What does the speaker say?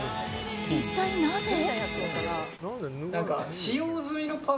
一体、なぜ？